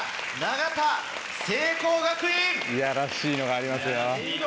いやらしいのがありますよ。